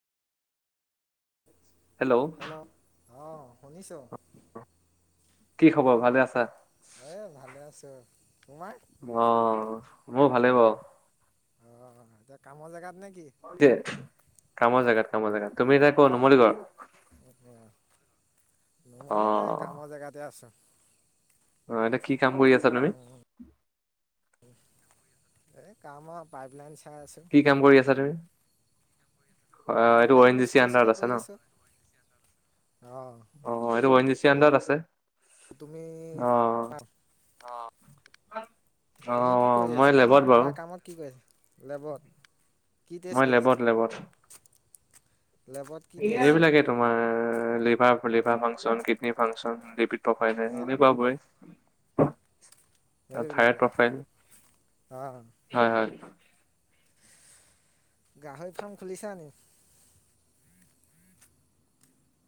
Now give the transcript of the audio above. Hello? অ' শুনিছো। কি খবৰ ভালে আছা? এই ভালে আছো, তোমাৰ? অ' মোৰ ভালেই বাৰু। অ' এতিয়া কমৰ জেগাত নে কি? কামৰ জেগাত কামৰ জেগাত। তুমি এতিয়া ক'ত নুমলীগড়ত? অ' নুমলীগড়, অ' কামৰ জেগাতে আছো। অ' এতিয়া কি কাম কৰি আছা? তুমি? এই কাম আৰু পাইপ লাইন চাই আছোঁ। কি কাম কৰি আছা তুমি? এইটো অ পাইপলাইন এন জি চি চোৱা আডাৰত আছে ন? অ'। অ', এইটো অ এণ জি চি আণ্ডাৰত আছে। তুমি অ' [unintelligible] অ'। [unintelligible] তুমি কি অ' কৰি মই আছা এতিয়া, লেবত বাৰু তোমাৰ কামত কি কৰিছা লেবত? কি টেষ্ট মই কৰি আছা লেবত, লেবত। লেবত কি টেষ্ট এইবিলাকে তোমাৰ liver, liver function kidney function [unintelligible] অঁ [unintelligible] প্ৰফাইল সেইবিলাকে অঁ হয় হয়। গাহৰি ফাৰ্ম খুলিছা নি?